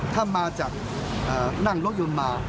ถ้ามาจากนั่งรถยนต์มา